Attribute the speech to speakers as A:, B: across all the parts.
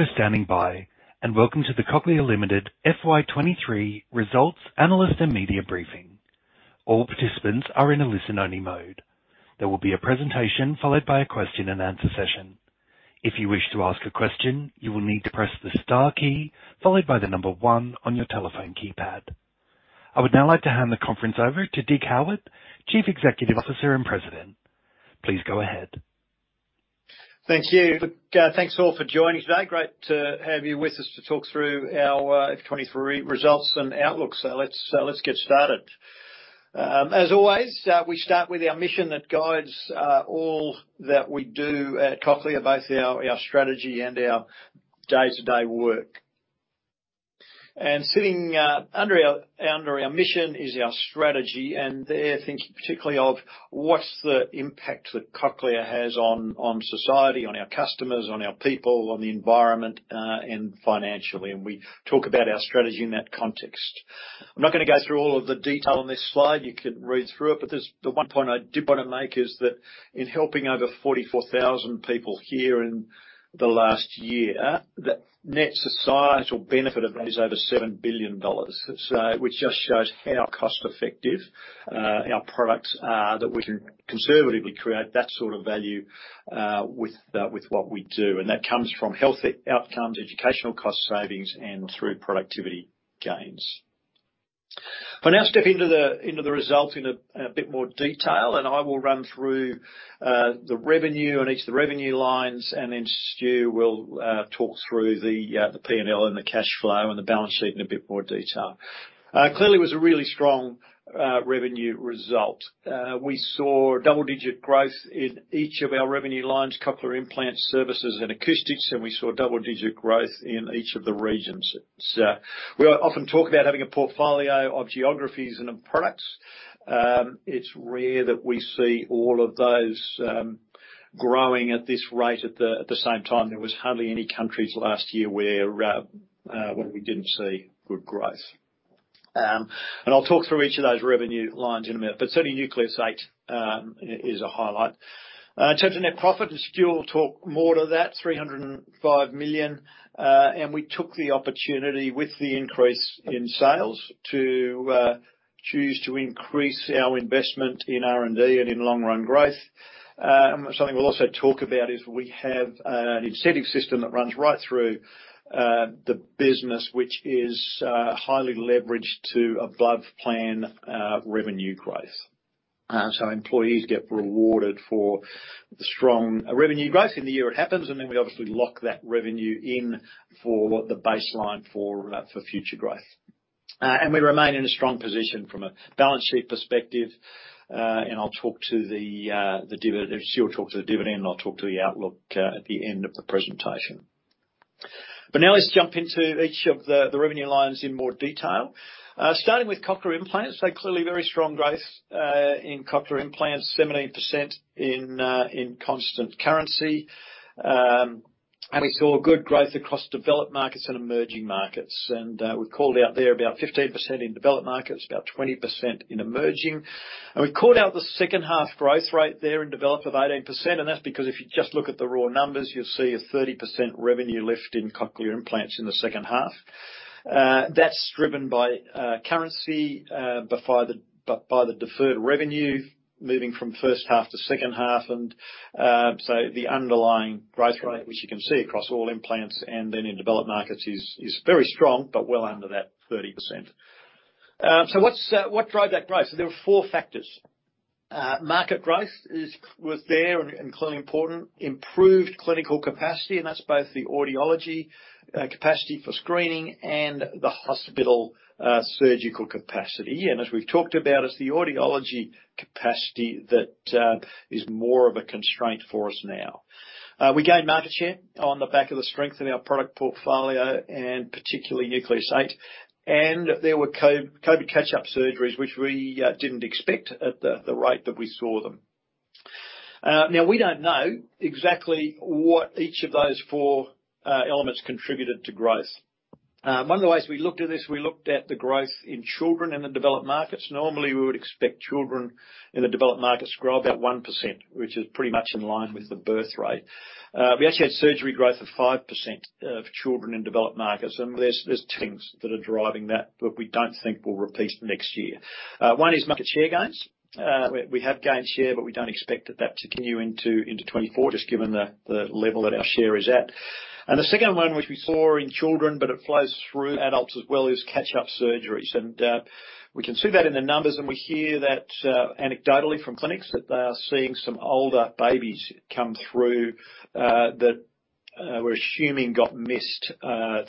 A: Thank you for standing by, welcome to the Cochlear Limited FY23 Results Analyst and Media Briefing. All participants are in a listen-only mode. There will be a presentation followed by a question-and-answer session. If you wish to ask a question, you will need to press the star key followed by the one on your telephone keypad. I would now like to hand the conference over to Dig Howitt, Chief Executive Officer and President. Please go ahead.
B: Thank you. Thanks, all, for joining today. Great to have you with us to talk through our FY2023 results and outlook. Let's get started. As always, we start with our mission that guides all that we do at Cochlear, both our, our strategy and our day-to-day work. Sitting under our, under our mission is our strategy, and there thinking particularly of what's the impact that Cochlear has on, on society, on our customers, on our people, on the environment, and financially, and we talk about our strategy in that context. I'm not going to go through all of the detail on this slide. You can read through it, there's the one point I did want to make is that in helping over 44,000 people hear in the last year, the net societal benefit of that is over 7 billion dollars. Which just shows how cost effective our products are, that we can conservatively create that sort of value with what we do. That comes from healthy outcomes, educational cost savings, and through productivity gains. I'll now step into the, into the results in a, in a bit more detail, I will run through the revenue and each of the revenue lines, then Stu will talk through the P&L and the cash flow and the balance sheet in a bit more detail. Clearly it was a really strong revenue result. We saw double-digit growth in each of our revenue lines, cochlear implants, services, and acoustics, and we saw double-digit growth in each of the regions. We often talk about having a portfolio of geographies and of products. It's rare that we see all of those, growing at this rate at the, at the same time. There was hardly any countries last year where, where we didn't see good growth. I'll talk through each of those revenue lines in a minute, but certainly Nucleus 8, is, is a highlight. In terms of net profit, Stu will talk more to that, 305 million, we took the opportunity with the increase in sales to, choose to increase our investment in R&D and in long-run growth. Something we'll also talk about is we have an incentive system that runs right through the business, which is highly leveraged to above-plan revenue growth. Employees get rewarded for the strong revenue growth in the year it happens, and then we obviously lock that revenue in for the baseline for future growth. We remain in a strong position from a balance sheet perspective. I'll talk to the, the divid- Stu will talk to the dividend, and I'll talk to the outlook at the end of the presentation. Now let's jump into each of the, the revenue lines in more detail. Starting with Cochlear implants, so clearly very strong growth in Cochlear implants, 17% in constant currency. We saw good growth across developed markets and emerging markets. We called out there about 15% in developed markets, about 20% in emerging. We called out the second half growth rate there in developed of 18%, and that's because if you just look at the raw numbers, you'll see a 30% revenue lift in cochlear implants in the second half. That's driven by currency, by the deferred revenue moving from first half to second half. The underlying growth rate, which you can see across all implants and then in developed markets, is very strong, but well under that 30%. What's, what drove that growth? There were four factors. Market growth was there and clearly important. Improved clinical capacity, and that's both the audiology capacity for screening and the hospital surgical capacity. As we've talked about, it's the audiology capacity that is more of a constraint for us now. We gained market share on the back of the strength of our product portfolio and particularly Nucleus 8. There were COVID catch-up surgeries, which we didn't expect at the rate that we saw them. Now, we don't know exactly what each of those four elements contributed to growth. One of the ways we looked at this, we looked at the growth in children in the developed markets. Normally, we would expect children in the developed markets to grow about 1%, which is pretty much in line with the birth rate. We actually had surgery growth of 5% for children in developed markets, and there's things that are driving that, but we don't think will repeat next year. One is market share gains. We, we have gained share, but we don't expect that to continue into, into 2024, just given the, the level that our share is at. The second one, which we saw in children, but it flows through adults as well, is catch-up surgeries. We can see that in the numbers, and we hear that, anecdotally from clinics, that they are seeing some older babies come through, that we're assuming got missed,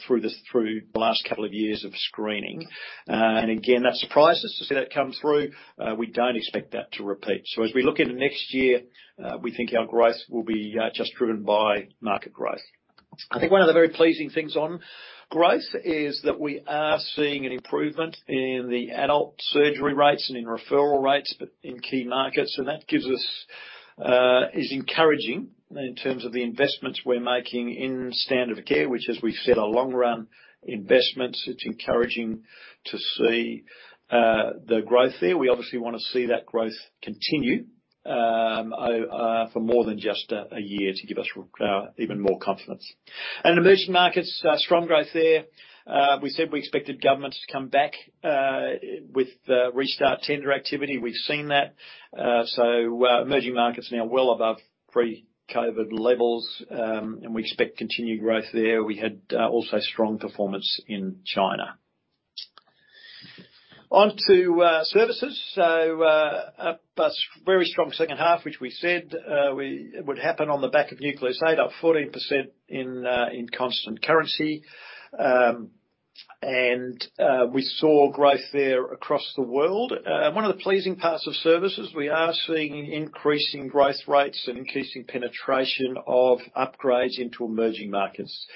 B: through the, through the last couple of years of screening. Again, that surprised us to see that come through. We don't expect that to repeat. As we look into next year, we think our growth will be, just driven by market growth. I think one of the very pleasing things on growth is that we are seeing an improvement in the adult surgery rates and in referral rates, but in key markets. That gives us. It's encouraging in terms of the investments we're making in standard of care, which, as we've said, are long-run investments. It's encouraging to see the growth there. We obviously want to see that growth continue for more than just a year to give us r- even more confidence. Emerging markets, strong growth there. We said we expected governments to come back with the restart tender activity. We've seen that. Emerging markets now well above pre-COVID levels, and we expect continued growth there. We had also strong performance in China. On to services. Up, a very strong second half, which we said would happen on the back of Nucleus 8, up 14% in constant currency. We saw growth there across the world. One of the pleasing parts of services, we are seeing increasing growth rates and increasing penetration of upgrades into emerging markets.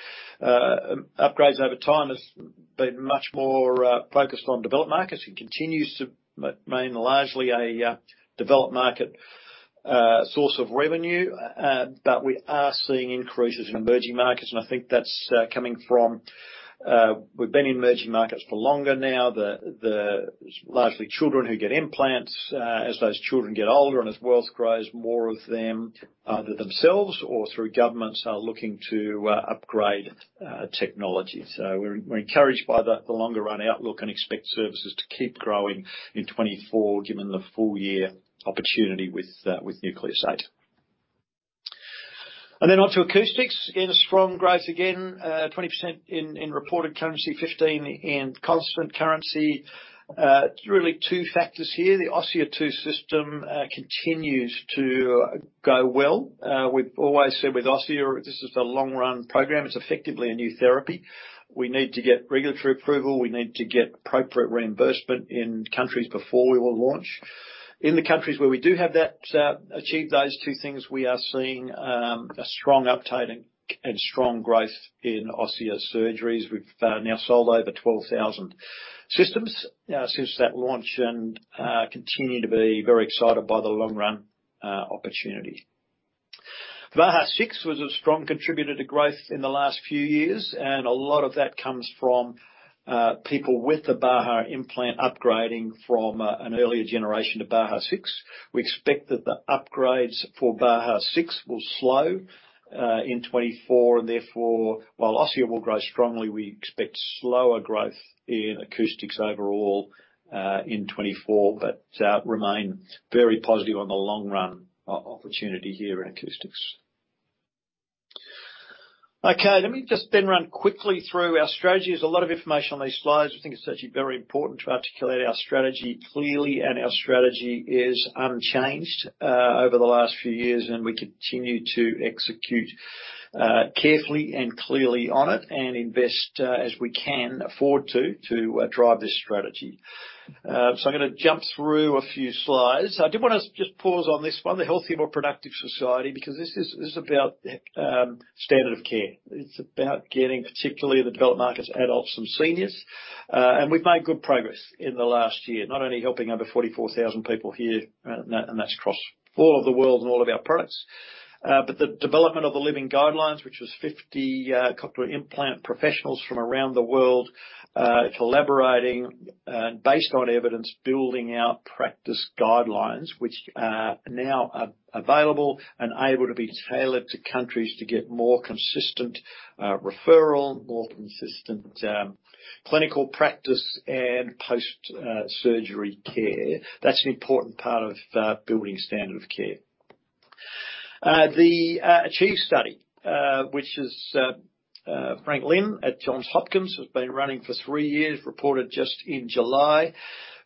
B: Upgrades over time has been much more focused on developed markets. It continues to remain largely a developed market source of revenue. We are seeing increases in emerging markets, and I think that's coming from, we've been in emerging markets for longer now. The largely children who get implants, as those children get older and as wealth grows, more of them, either themselves or through governments, are looking to upgrade technology. We're encouraged by the longer run outlook and expect services to keep growing in 2024, given the full year opportunity with Nucleus 8. Then on to acoustics. Again, a strong growth again, 20% in reported currency, 15 in constant currency. Really two factors here. The Osia 2 System continues to go well. We've always said with Osia, this is a long-run program. It's effectively a new therapy. We need to get regulatory approval. We need to get appropriate reimbursement in countries before we will launch. In the countries where we do have that, achieve those two things, we are seeing a strong uptake and strong growth in Osia surgeries. We've now sold over 12,000 systems since that launch, and continue to be very excited by the long-run opportunity. Baha 6 was a strong contributor to growth in the last few years, a lot of that comes from people with the Baha implant upgrading from an earlier generation to Baha 6. We expect that the upgrades for Baha 6 will slow in 2024, therefore, while Osia will grow strongly, we expect slower growth in acoustics overall in 2024, remain very positive on the long-run opportunity here in acoustics. Okay, let me just run quickly through our strategy. There's a lot of information on these slides. I think it's actually very important to articulate our strategy clearly, our strategy is unchanged over the last few years, we continue to execute carefully and clearly on it and invest as we can afford to, to drive this strategy. I'm gonna jump through a few slides. I did want to just pause on this one, the healthy, more productive society, because this is about standard of care. It's about getting, particularly in the developed markets, adults and seniors, and we've made good progress in the last year, not only helping over 44,000 people hear, and that's across all of the world and all of our products. But the development of the Living Guidelines, which was 50 cochlear implant professionals from around the world, collaborating and based on evidence, building out practice guidelines, which are now available and able to be tailored to countries to get more consistent referral, more consistent clinical practice and post surgery care. That's an important part of building standard of care. The ACHIEVE study, which is Frank Lin at Johns Hopkins, has been running for three years, reported just in July.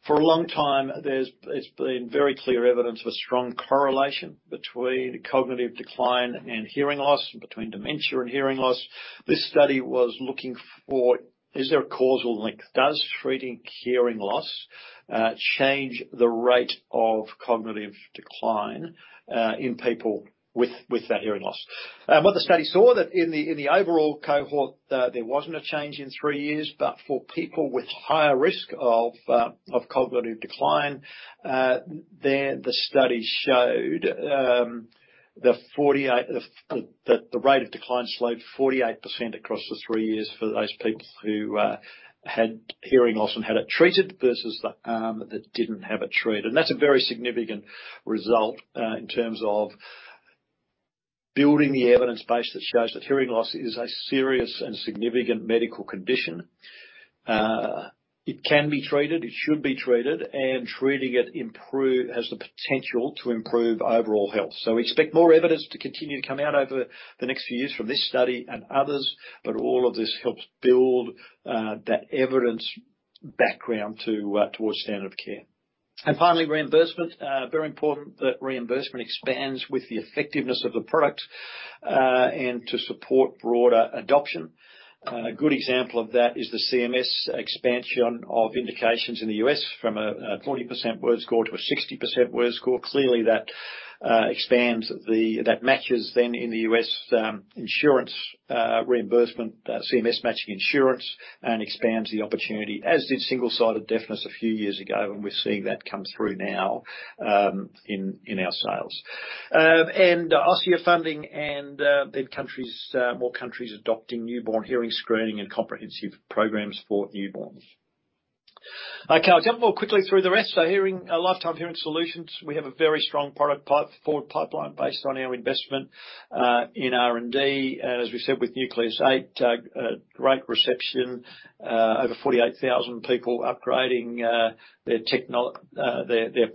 B: For a long time, it's been very clear evidence of a strong correlation between cognitive decline and hearing loss, and between dementia and hearing loss. This study was looking for, is there a causal link? Does treating hearing loss change the rate of cognitive decline in people with hearing loss? What the study saw, that in the overall cohort, there wasn't a change in three years, but for people with higher risk of cognitive decline, then the study showed the 48. That the rate of decline slowed 48% across the three years for those people who had hearing loss and had it treated versus the that didn't have it treated. That's a very significant result in terms of building the evidence base that shows that hearing loss is a serious and significant medical condition. It can be treated, it should be treated, and treating it has the potential to improve overall health. We expect more evidence to continue to come out over the next few years from this study and others, but all of this helps build that evidence background to towards standard of care. Finally, reimbursement. Very important that reimbursement expands with the effectiveness of the product and to support broader adoption. A good example of that is the CMS expansion of indications in the U.S. from a 40% WRS score to a 60% WRS score. Clearly, that expands the- that matches then in the US insurance reimbursement, CMS matching insurance, and expands the opportunity, as did single-sided deafness a few years ago, and we're seeing that come through now in our sales. Osia funding and then countries, more countries adopting newborn hearing screening and comprehensive programs for newborns. Okay, I'll jump more quickly through the rest. Hearing, Lifetime Hearing Solutions, we have a very strong product pipeline based on our investment in R&D. As we said, with Nucleus 8, a great reception, over 48,000 people upgrading their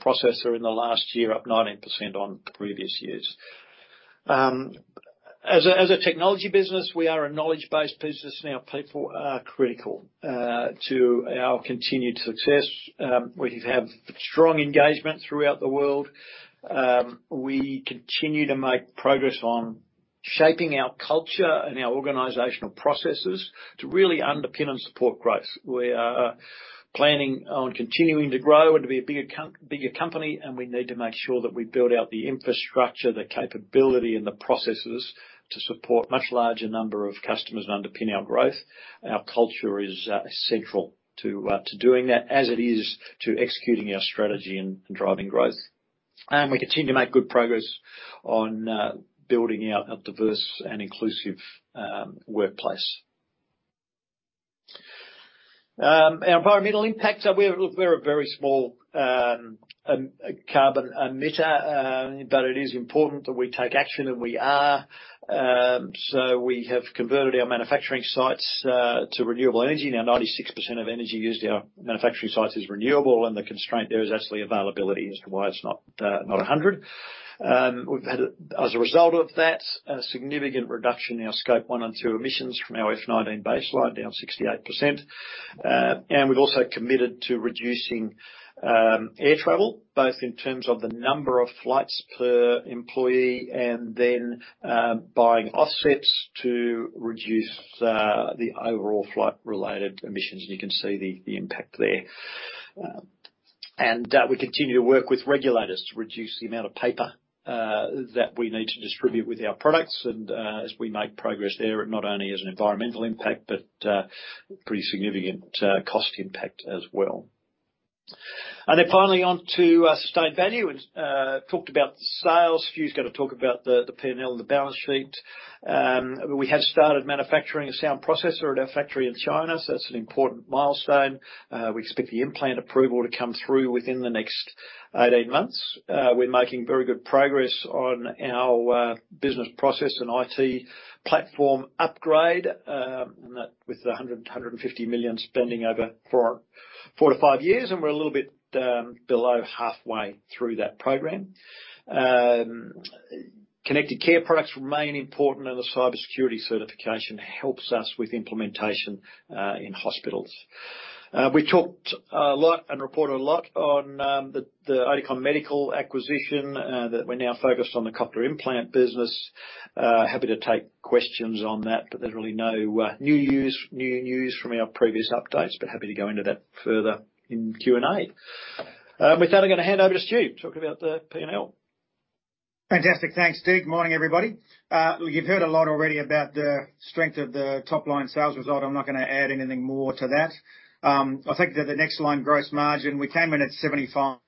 B: processor in the last year, up 19% on previous years. As a, as a technology business, we are a knowledge-based business, and our people are critical to our continued success. We have strong engagement throughout the world. We continue to make progress on shaping our culture and our organizational processes to really underpin and support growth. We are planning on continuing to grow and to be a bigger company, and we need to make sure that we build out the infrastructure, the capability, and the processes to support much larger number of customers and underpin our growth. Our culture is central to doing that, as it is to executing our strategy and, and driving growth. We continue to make good progress on building out a diverse and inclusive workplace. Our environmental impacts are we're- look, we're a very small carbon emitter, it is important that we take action, and we are. We have converted our manufacturing sites to renewable energy. Now, 96% of energy used in our manufacturing sites is renewable, the constraint there is actually availability as to why it's not 100. We've had, as a result of that, a significant reduction in our Scope 1 and 2 emissions from our FY19 baseline, down 68%. We've also committed to reducing air travel, both in terms of the number of flights per employee, buying offsets to reduce the overall flight-related emissions. You can see the, the impact there. We continue to work with regulators to reduce the amount of paper that we need to distribute with our products. As we make progress there, not only as an environmental impact, but pretty significant cost impact as well. Finally, on to sustained value, talked about sales. Stu's going to talk about the P&L and the balance sheet. We have started manufacturing a sound processor at our factory in China, so that's an important milestone. We expect the implant approval to come through within the next 18 months. We're making very good progress on our business process and IT platform upgrade, and that with 150 million spending over 4-5 years, and we're a little bit below halfway through that program. Connected Care products remain important, and the cybersecurity certification helps us with implementation in hospitals. We talked a lot and reported a lot on the Oticon Medical acquisition that we're now focused on the Cochlear implant business. Happy to take questions on that, but there's really no new news, new news from our previous updates, but happy to go into that further in Q and A. With that, I'm gonna hand over to Stu to talk about the P&L.
C: Fantastic. Thanks, Dig. Morning, everybody. Well, you've heard a lot already about the strength of the top-line sales result. I'm not gonna add anything more to that. I'll take you to the next line, gross margin. We came in at 75-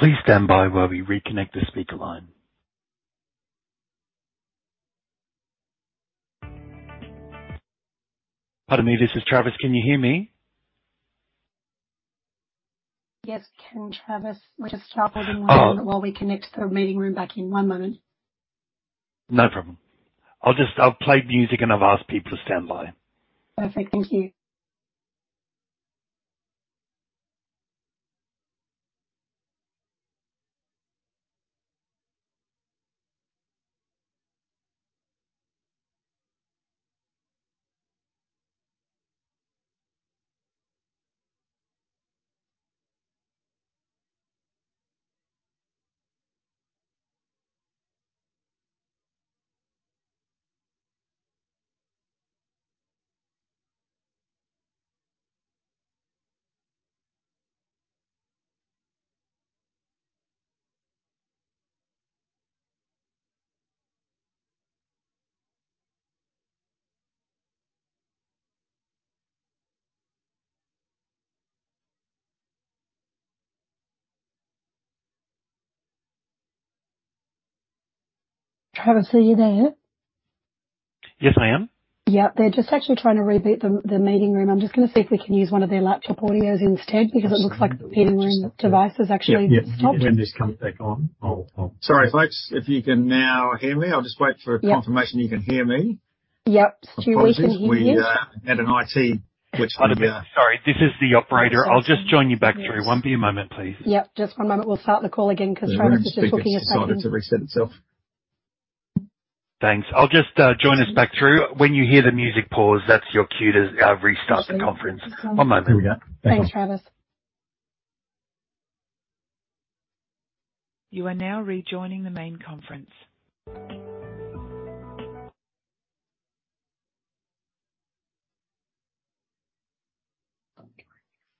A: Please stand by while we reconnect the speaker line. Pardon me, this is Travis. Can you hear me? Yes, Travis, we're just toggling the line. Oh. While we connect the meeting room back in one moment.
C: No problem. I'll just- I've played music, and I've asked people to stand by.
A: Perfect. Thank you. Travis, are you there? Yes, I am. Yeah, they're just actually trying to reboot the, the meeting room. I'm just gonna see if we can use one of their laptop audios instead, because it looks like the meeting room device is actually stopped. Yep, yep, when this comes back on, I'll, I'll- Sorry, folks. If you can now hear me, I'll just wait for. Yep. Confirmation you can hear me. Yep. Stu, we can hear you. We had an IT. Pardon me. Sorry, this is the operator. I'll just join you back through. Yes. One be a moment, please. Yep, just one moment. We'll start the call again, 'cause Travis is just looking at settings. Decided to reset itself. Thanks. I'll just join us back through. When you hear the music pause, that's your cue to restart the conference. Awesome. One moment. Here we go. Thanks, Travis. You are now rejoining the main conference.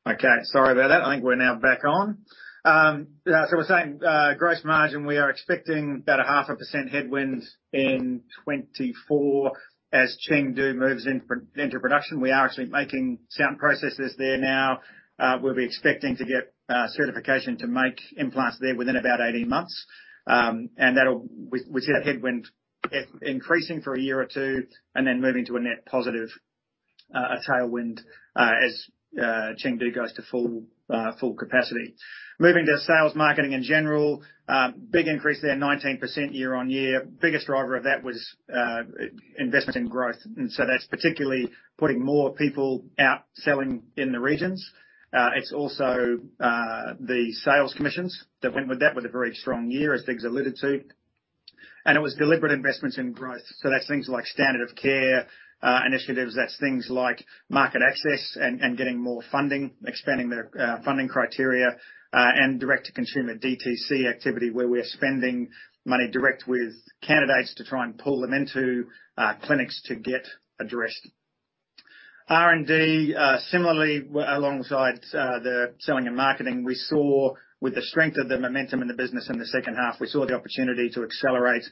C: Okay, sorry about that. I think we're now back on. We're saying gross margin, we are expecting about a half a percent headwind in 2024 as Chengdu moves into production. We are actually making sound processors there now. We'll be expecting to get certification to make implants there within about 18 months. We, we see that headwind increasing for a year or two, then moving to a net positive, a tailwind, as Chengdu goes to full capacity. Moving to sales, marketing, and general, big increase there, 19% year-on-year. Biggest driver of that was investment in growth, that's particularly putting more people out selling in the regions. It's also the sales commissions that went with that, with a very strong year, as Dig's alluded to. It was deliberate investments in growth. That's things like standard of care initiatives, that's things like market access and getting more funding, expanding their funding criteria, and direct-to-consumer, DTC, activity, where we are spending money direct with candidates to try and pull them into clinics to get addressed. R&D, similarly, alongside the selling and marketing, we saw with the strength of the momentum in the business in the second half, we saw the opportunity to accelerate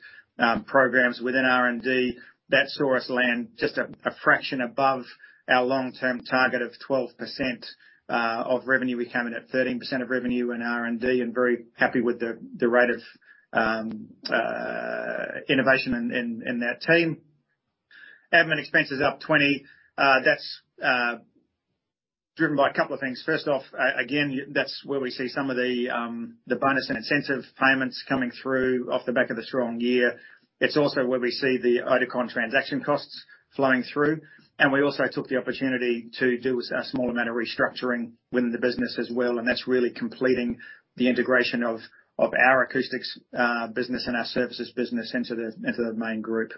C: programs within R&D. That saw us land just a fraction above our long-term target of 12% of revenue. We came in at 13% of revenue in R&D, and very happy with the rate of innovation in that team. Admin expenses up 20. That's driven by a couple of things. First off, again, that's where we see some of the bonus and incentive payments coming through off the back of the strong year. It's also where we see the Oticon transaction costs flowing through, and we also took the opportunity to do a small amount of restructuring within the business as well, and that's really completing the integration of our acoustics business and our services business into the main group.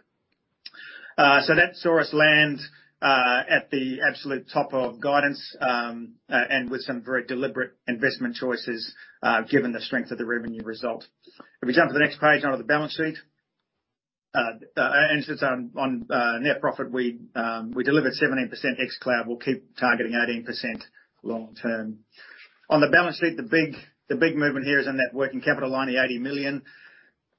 C: That saw us land at the absolute top of guidance, and with some very deliberate investment choices, given the strength of the revenue result. If we jump to the next page, now to the balance sheet. Since on net profit, we delivered 17% ex cloud. We'll keep targeting 18% long term. On the balance sheet, the big movement here is our net working capital line, the 80 million.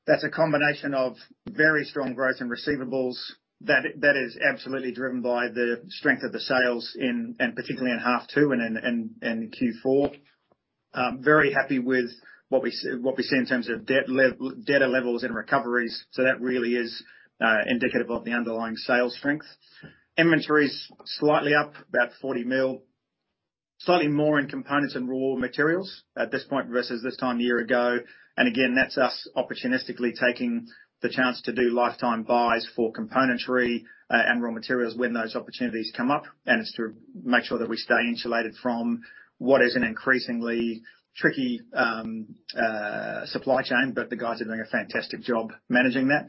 C: That's a combination of very strong growth in receivables. That is absolutely driven by the strength of the sales particularly in half 2 and in Q4. Very happy with what we see in terms of debtor levels and recoveries, so that really is indicative of the underlying sales strength. Inventory's slightly up, about 40 million, slightly more in components and raw materials at this point, versus this time a year ago. Again, that's us opportunistically taking the chance to do lifetime buys for componentry and raw materials when those opportunities come up, and it's to make sure that we stay insulated from what is an increasingly tricky supply chain. The guys are doing a fantastic job managing that.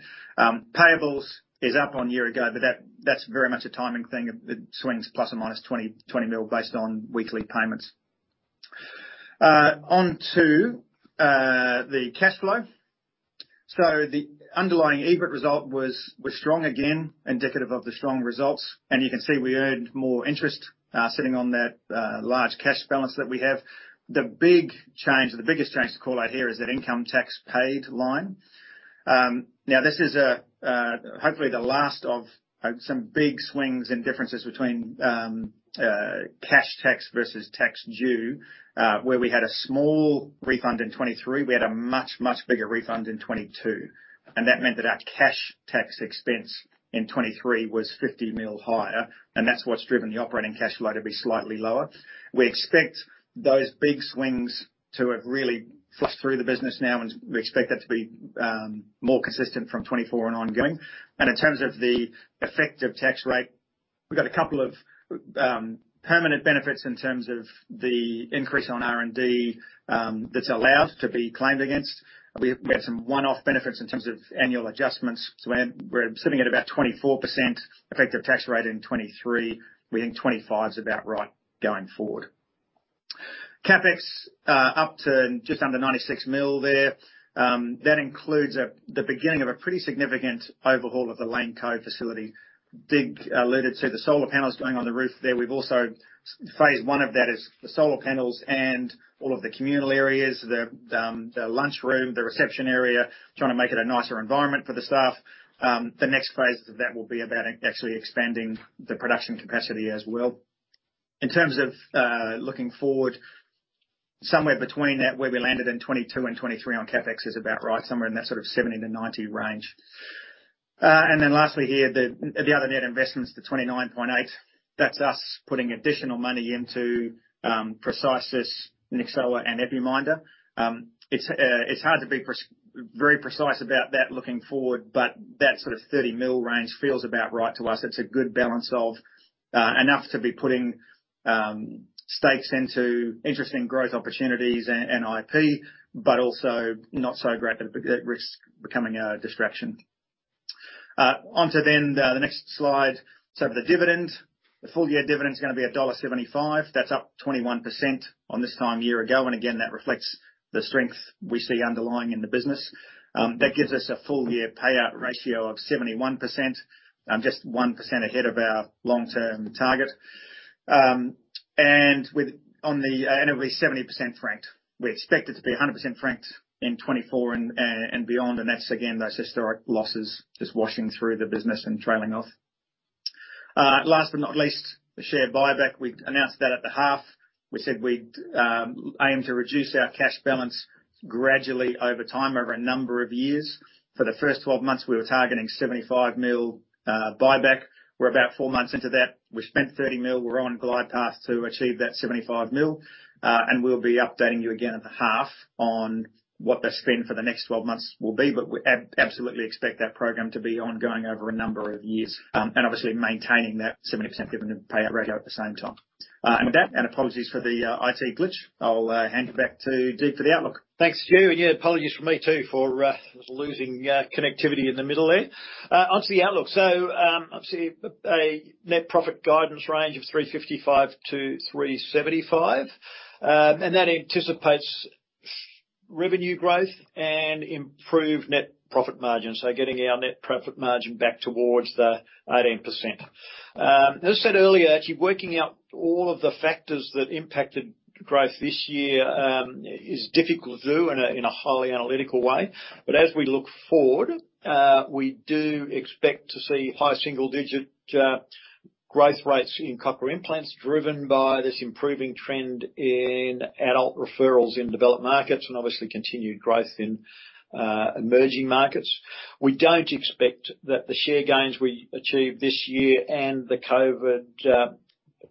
C: Payables is up on year ago. That, that's very much a timing thing. It, it swings ±20 million based on weekly payments. On to the cash flow. The underlying EBIT result was, was strong, again, indicative of the strong results, and you can see we earned more interest sitting on that large cash balance that we have. The big change, or the biggest change to call out here, is that income tax paid line. Now this is a hopefully the last of some big swings and differences between cash tax versus tax due, where we had a small refund in 2023. We had a much, much bigger refund in 2022. That meant that our cash tax expense in 2023 was 50 million higher. That's what's driven the operating cash flow to be slightly lower. We expect those big swings to have really flushed through the business now. We expect that to be more consistent from 2024 and ongoing. In terms of the effective tax rate, we've got a couple of permanent benefits in terms of the increase on R&D that's allowed to be claimed against. We had some one-off benefits in terms of annual adjustments, so we're sitting at about 24% effective tax rate in 2023. We think 25 is about right going forward. CapEx, up to just under 96 million there. That includes a, the beginning of a pretty significant overhaul of the Lane Cove facility. Dig alluded to the solar panels going on the roof there. We've also. Phase one of that is the solar panels and all of the communal areas, the lunchroom, the reception area, trying to make it a nicer environment for the staff. The next phase of that will be about actually expanding the production capacity as well. In terms of looking forward, somewhere between that, where we landed in 2022 and 2023 on CapEx is about right. Somewhere in that sort of 70-90 range. Lastly here, the other net investments to 29.8, that's us putting additional money into Precisis, Nyxoah, and Epi-Minder. It's hard to be very precise about that looking forward, but that sort of 30 million range feels about right to us. It's a good balance of enough to be putting stakes into interesting growth opportunities and IP, but also not so great that it risks becoming a distraction. The next slide. The dividend, the full year dividend is gonna be dollar 1.75. That's up 21% on this time year ago, that reflects the strength we see underlying in the business. That gives us a full year payout ratio of 71%, just 1% ahead of our long-term target. And with- on the. It'll be 70% franked. We expect it to be 100% franked in 2024 and beyond, and that's again, those historic losses just washing through the business and trailing off. Last but not least, the share buyback. We announced that at the half. We said we'd aim to reduce our cash balance gradually over time, over a number of years. For the first 12 months, we were targeting 75 million buyback. We're about four months into that. We've spent 30 million. We're on glide path to achieve that 75 million, and we'll be updating you again at the half on what the spend for the next 12 months will be. We absolutely expect that program to be ongoing over a number of years, and obviously maintaining that 70% dividend payout ratio at the same time. With that, and apologies for the IT glitch, I'll hand it back to Dig for the outlook.
B: Thanks, Stu, and, yeah, apologies from me, too, for losing connectivity in the middle there. Onto the outlook. Obviously, a net profit guidance range of 355 million-375 million, and that anticipates revenue growth and improved net profit margin, so getting our net profit margin back towards the 18%. As I said earlier, actually working out all of the factors that impacted growth this year is difficult to do in a, in a highly analytical way. As we look forward, we do expect to see high single-digit growth rates in Cochlear implants, driven by this improving trend in adult referrals in developed markets and obviously continued growth in emerging markets. We don't expect that the share gains we achieved this year and the COVID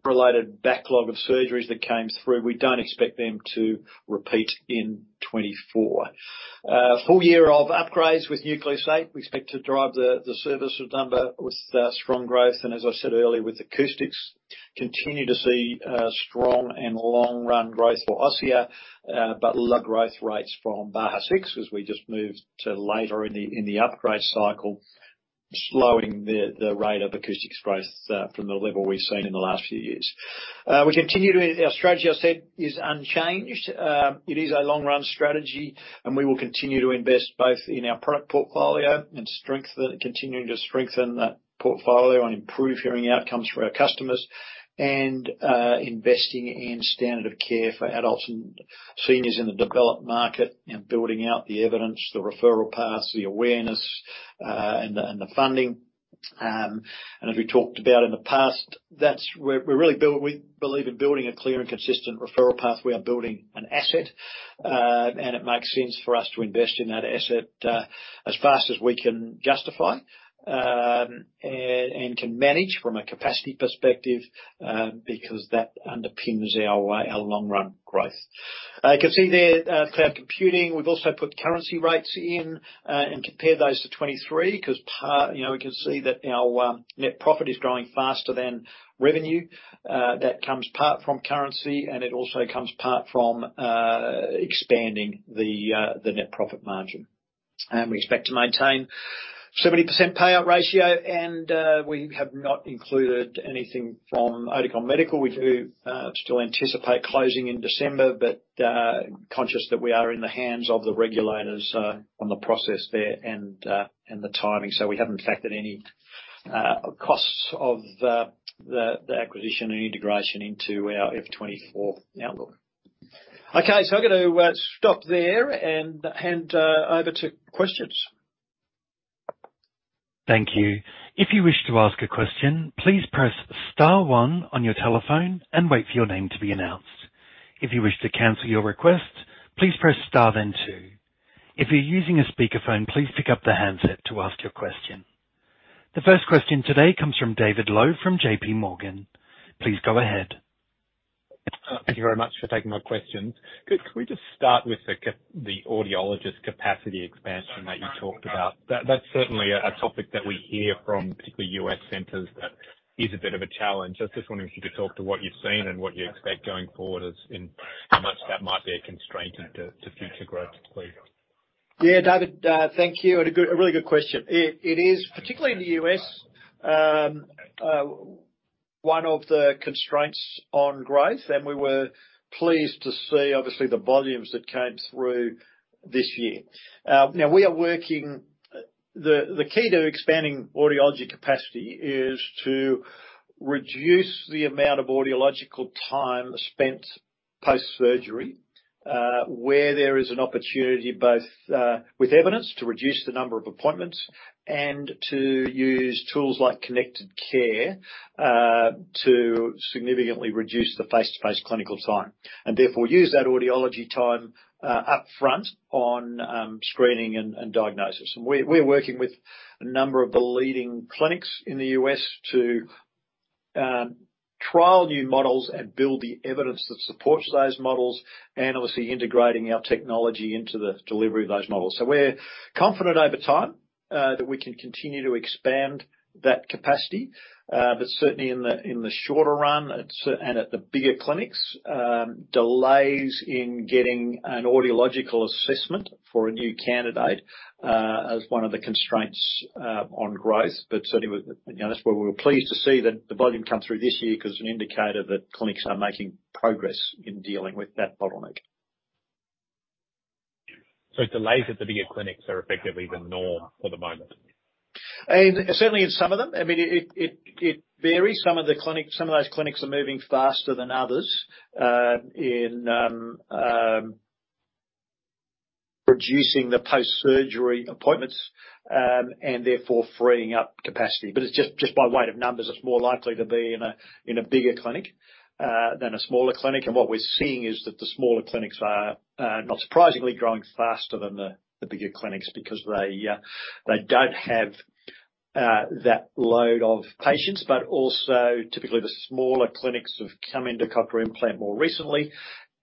B: related backlog of surgeries that came through, we don't expect them to repeat in 2024. Full year of upgrades with Nucleus 8, we expect to drive the, the service number with strong growth, and as I said earlier, with acoustics, continue to see strong and long-run growth for Osia, but lower growth rates from Baha 6, as we just moved to later in the, in the upgrade cycle, slowing the, the rate of acoustics growth from the level we've seen in the last few years. We continue to. Our strategy, I said, is unchanged. It is a long-run strategy, and we will continue to invest both in our product portfolio and strengthen it, continuing to strengthen that portfolio and improve hearing outcomes for our customers. Investing in standard of care for adults and seniors in the developed market and building out the evidence, the referral paths, the awareness, and the, and the funding. As we talked about in the past, that's where we really believe in building a clear and consistent referral path. We are building an asset, and it makes sense for us to invest in that asset as fast as we can justify, and can manage from a capacity perspective, because that underpins our long-run growth. You can see there, cloud computing. We've also put currency rates in and compared those to 2023, because you know, we can see that our net profit is growing faster than revenue. That comes part from currency. It also comes part from expanding the net profit margin. We expect to maintain 70% payout ratio. We have not included anything from Oticon Medical. We do still anticipate closing in December, but conscious that we are in the hands of the regulators on the process there and the timing, so we haven't factored any costs of the acquisition and integration into our FY2024 outlook. I'm going to stop there and hand over to questions.
A: Thank you. If you wish to ask a question, please press star one on your telephone and wait for your name to be announced. If you wish to cancel your request, please press star then two. If you're using a speakerphone, please pick up the handset to ask your question. The first question today comes from David Low from JPMorgan. Please go ahead.
D: Thank you very much for taking my questions. Could we just start with the audiologist capacity expansion that you talked about? That's certainly a topic that we hear from particularly U.S. centers, that is a bit of a challenge. I was just wondering if you could talk to what you've seen and what you expect going forward, as in how much that might be a constraint to future growth, please.
B: Yeah, David, thank you, and a good, a really good question. It, it is, particularly in the U.S., one of the constraints on growth, and we were pleased to see, obviously, the volumes that came through this year. Now, we are working. The, the key to expanding audiology capacity is to reduce the amount of audiological time spent post-surgery, where there is an opportunity, both, with evidence, to reduce the number of appointments, and to use tools like Connected Care, to significantly reduce the face-to-face clinical time, and therefore, use that audiology time up front on screening and diagnosis. We're working with a number of the leading clinics in the U.S. to trial new models and build the evidence that supports those models, and obviously, integrating our technology into the delivery of those models. We're confident over time that we can continue to expand that capacity. Certainly in the, in the shorter run, and at the bigger clinics, delays in getting an audiological assessment for a new candidate is one of the constraints on growth. Certainly with, you know, that's where we were pleased to see that the volume come through this year because it's an indicator that clinics are making progress in dealing with that bottleneck.
D: Delays at the bigger clinics are effectively the norm for the moment?
B: Certainly in some of them. I mean, it, it, it varies. Some of those clinics are moving faster than others, in producing the post-surgery appointments, and therefore freeing up capacity. It's just, just by weight of numbers, it's more likely to be in a, in a bigger clinic, than a smaller clinic. What we're seeing is that the smaller clinics are, not surprisingly, growing faster than the, the bigger clinics because they don't have, that load of patients. Also, typically, the smaller clinics have come into cochlear implant more recently,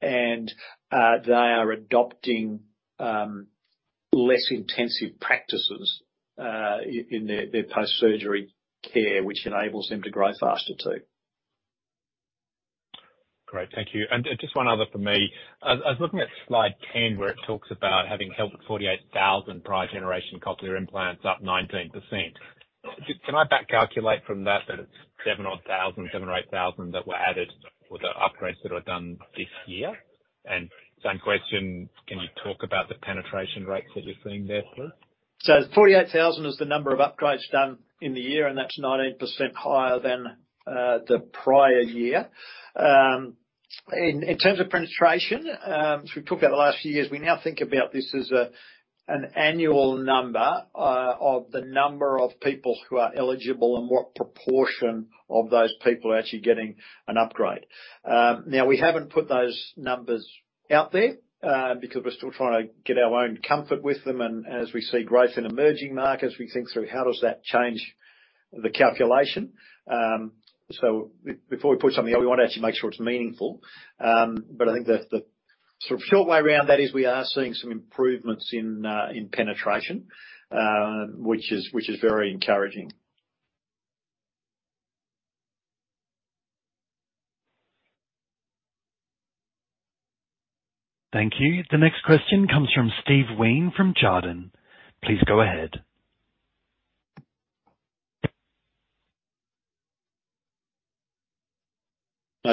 B: and they are adopting, less intensive practices, in their, their post-surgery care, which enables them to grow faster, too.
D: Great. Thank you. Just one other for me. I, I was looking at slide 10, where it talks about having helped 48,000 prior generation Cochlear implants, up 19%. Can I back calculate from that, that it's seven odd thousand, seven or 8,000 that were added with the upgrades that were done this year? Same question, can you talk about the penetration rates that you're seeing there, please?
B: 48,000 is the number of upgrades done in the year, and that's 19% higher than the prior year. In, in terms of penetration, as we talk about the last few years, we now think about this as a, an annual number, of the number of people who are eligible and what proportion of those people are actually getting an upgrade. Now, we haven't put those numbers out there, because we're still trying to get our own comfort with them. As we see growth in emerging markets, we think through how does that change the calculation. Before we put something out, we want to actually make sure it's meaningful. I think the, the sort of short way around that is we are seeing some improvements in, in penetration, which is, which is very encouraging.
A: Thank you. The next question comes from Steve Wheen from Jarden. Please go ahead.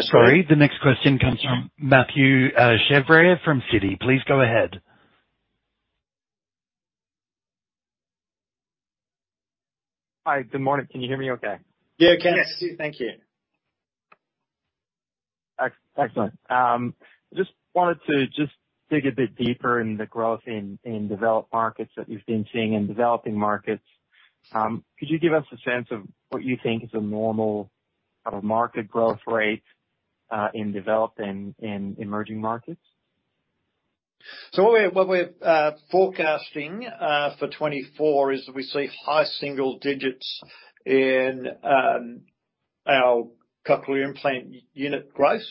A: Sorry, the next question comes from Mathieu Chevrier from Citi. Please go ahead.
E: Hi. Good morning. Can you hear me okay? Yeah, can. Yes, thank you. Excellent. Just wanted to just dig a bit deeper in the growth in, in developed markets that you've been seeing in developing markets. Could you give us a sense of what you think is a normal kind of market growth rate in developed and in emerging markets?
B: What we're, what we're forecasting for 2024 is we see high single digits in our Cochlear implant unit growth.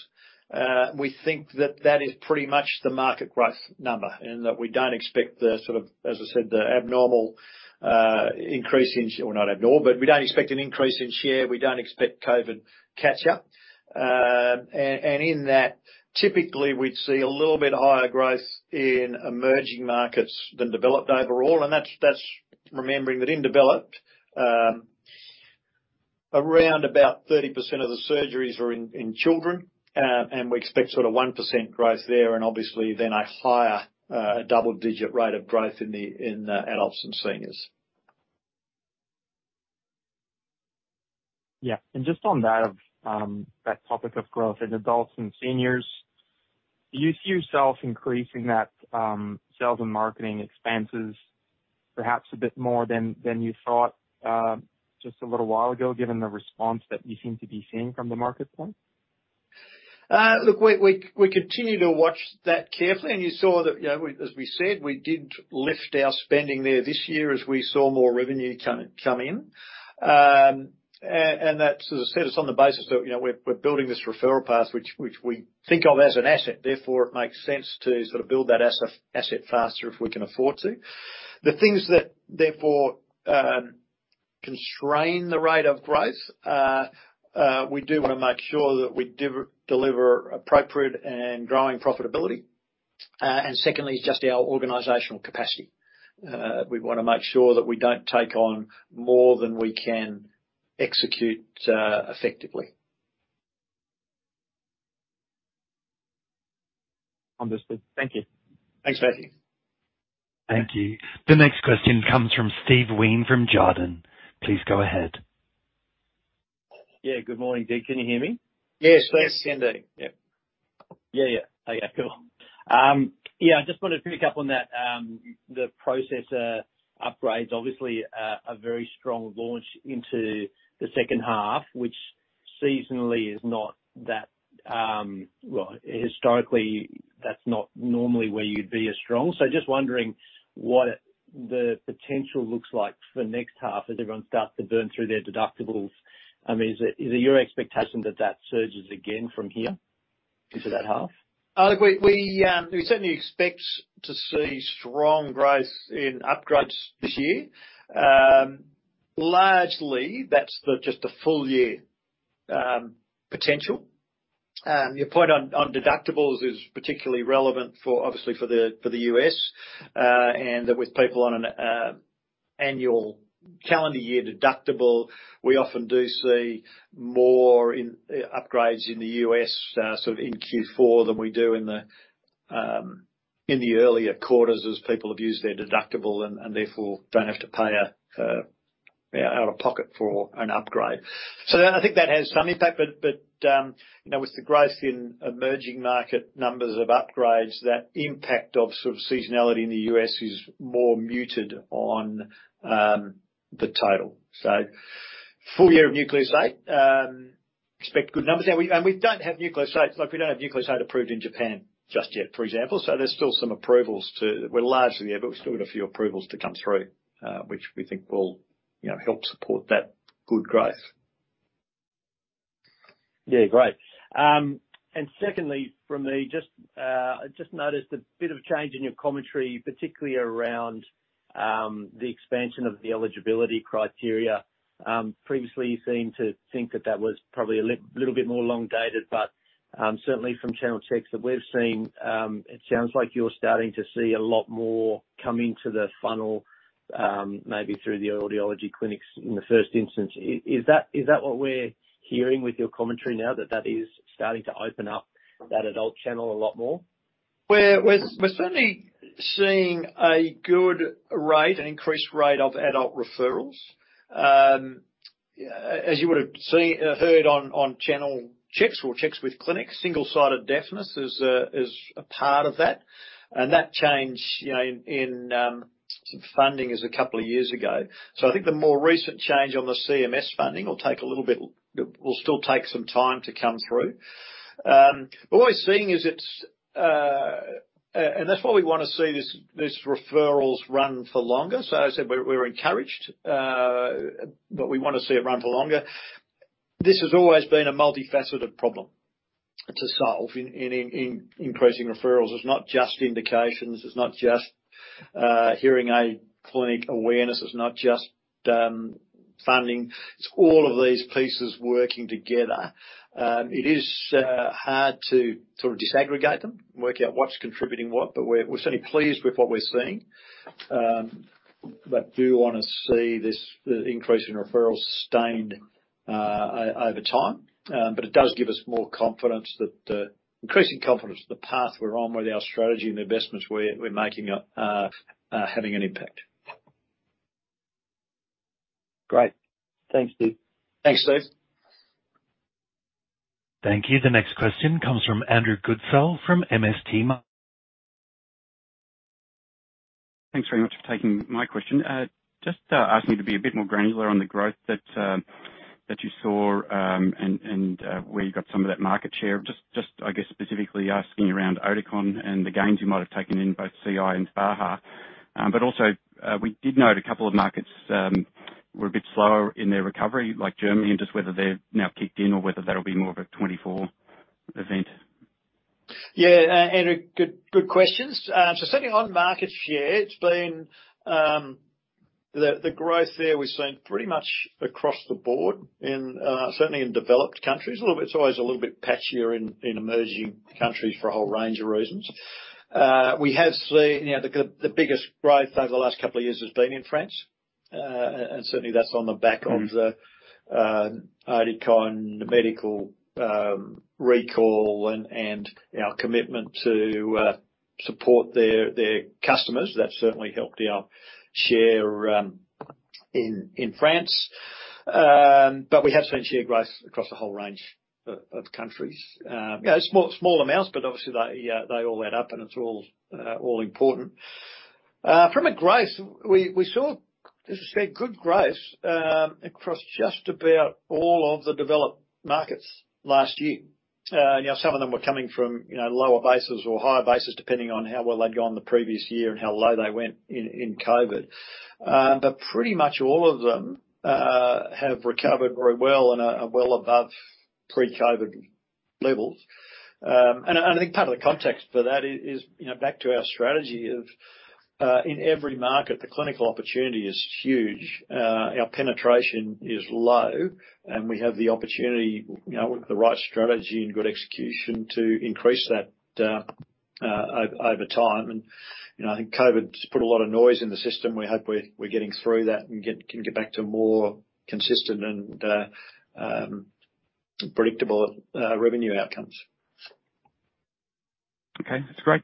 B: We think that that is pretty much the market growth number, and that we don't expect the sort of, as I said, the abnormal increase in, well, not abnormal, but we don't expect an increase in share. We don't expect COVID catch-up. In that, typically, we'd see a little bit higher growth in emerging markets than developed overall. That's, that's remembering that in developed, around about 30% of the surgeries are in children. We expect sort of 1% growth there, and obviously then a higher double-digit rate of growth in the adults and seniors.
E: Yeah, just on that, that topic of growth in adults and seniors, do you see yourself increasing that, sales and marketing expenses perhaps a bit more than, than you thought, just a little while ago, given the response that you seem to be seeing from the market point?
B: Look, we, we, we continue to watch that carefully, and you saw that, you know, as we said, we did lift our spending there this year as we saw more revenue come, come in. That's, as I said, it's on the basis that, you know, we're, we're building this referral path, which, which we think of as an asset, therefore it makes sense to sort of build that asset, asset faster if we can afford to. The things that, therefore, constrain the rate of growth, we do want to make sure that we deliver appropriate and growing profitability. Secondly, just our organizational capacity. We want to make sure that we don't take on more than we can execute effectively.
E: Understood. Thank you.
B: Thanks, Mathieu.
A: Thank you. The next question comes from Steve Wheen from Jarden. Please go ahead.
F: Yeah, good morning, Dig. Can you hear me?
B: Yes, please, can do. Yep.
F: Yeah, yeah. Oh, yeah. Cool. Yeah, I just wanted to pick up on that, the processor upgrades, obviously, a very strong launch into the second half, which seasonally is not that. Well, historically, that's not normally where you'd be as strong. Just wondering what the potential looks like for next half as everyone starts to burn through their deductibles. I mean, is it, is it your expectation that that surges again from here? Into that half?
B: We, we certainly expect to see strong growth in upgrades this year. Largely, that's just the full year potential. Your point on deductibles is particularly relevant for, obviously, for the U.S. With people on an annual calendar year deductible, we often do see more in upgrades in the U.S., sort of in Q4 than we do in the earlier quarters, as people have used their deductible and therefore don't have to pay out of pocket for an upgrade. I think that has some impact, but, you know, with the growth in emerging market numbers of upgrades, that impact of sort of seasonality in the U.S. is more muted on the total. Full year Nucleus 8, expect good numbers. We, and we don't have Nucleus 8, like, we don't have Nucleus 8 approved in Japan just yet, for example. There's still some approvals to, we're largely there, but we've still got a few approvals to come through, which we think will, you know, help support that good growth.
F: Yeah, great. Secondly, from me, just, I just noticed a bit of a change in your commentary, particularly around the expansion of the eligibility criteria. Previously, you seemed to think that that was probably a little bit more elongated, certainly from channel checks that we've seen, it sounds like you're starting to see a lot more coming to the funnel, maybe through the audiology clinics in the first instance. Is, is that, is that what we're hearing with your commentary now, that that is starting to open up that adult channel a lot more?
C: We're, we're, we're certainly seeing a good rate, an increased rate of adult referrals. As you would have seen, heard on, on channel checks or checks with clinics, single-sided deafness is a, is a part of that. That change, you know, in, in funding is two years ago. I think the more recent change on the CMS funding will take a little bit, will, will still take some time to come through. What we're seeing is it's, that's why we want to see these, these referrals run for longer. As I said, we're, we're encouraged, we want to see it run for longer. This has always been a multifaceted problem to solve in, in, in, increasing referrals. It's not just indications, it's not just hearing aid clinic awareness. It's not just funding. It's all of these pieces working together. It is hard to sort of disaggregate them and work out what's contributing what, but we're, we're certainly pleased with what we're seeing. Do want to see this, the increase in referrals sustained over time. It does give us more confidence that increasing confidence that the path we're on with our strategy and the investments we're, we're making are having an impact.
F: Great. Thanks, Stu.
B: Thanks, Steve.
A: Thank you. The next question comes from Andrew Goodsall from MST Marquee.
G: Thanks very much for taking my question. Just asking to be a bit more granular on the growth that that you saw and where you got some of that market share. Just I guess, specifically asking around Oticon and the gains you might have taken in both CI and Baha. Also, we did note a couple of markets were a bit slower in their recovery, like Germany, and just whether they've now kicked in or whether that'll be more of a 2024 event.
C: Yeah, Andrew, good, good questions. Certainly on market share, it's been the, the growth there we've seen pretty much across the board in certainly in developed countries. A little- it's always a little bit patchier in, in emerging countries for a whole range of reasons. We have seen, you know, the good- the biggest growth over the last couple of years has been in France. A- and certainly that's on the back of the Oticon Medical recall and, and our commitment to support their, their customers. That certainly helped our share in, in France. We have seen share growth across a whole range o- of countries. You know, small, small amounts, but obviously they, they all add up, and it's all, all important.
B: From a growth, we, we saw, as I said, good growth across just about all of the developed markets last year. You know, some of them were coming from, you know, lower bases or higher bases, depending on how well they'd gone the previous year and how low they went in, in COVID. Pretty much all of them have recovered very well and are well above pre-COVID levels. I think part of the context for that is, is, you know, back to our strategy of in every market, the clinical opportunity is huge. Our penetration is low, and we have the opportunity, you know, with the right strategy and good execution, to increase that over time. You know, I think COVID's put a lot of noise in the system. We hope we're, we're getting through that and can get back to more consistent and predictable revenue outcomes.
G: Okay, that's great.